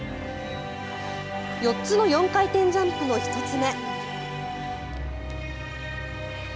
４つの４回転ジャンプの１つ目。